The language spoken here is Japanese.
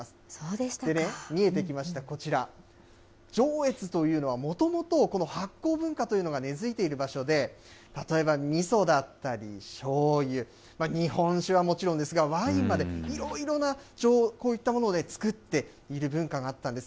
でね、見えてきました、こちら、上越というのは、もともとこの発酵文化というのが根づいている場所で、例えばみそだったりしょうゆ、日本酒はもちろんですが、ワインまで、いろいろなこういったものをつくっている文化があったんです。